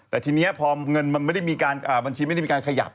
แต่ทีนี้พอเงินมันไม่ได้มีการบัญชีไม่ได้มีการขยับ